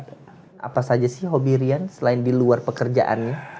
apa saja sih hobi rian selain di luar pekerjaannya